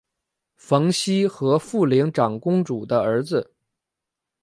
冯熙和博陵长公主的儿子。